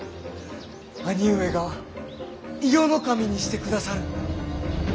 兄上が伊予守にしてくださる。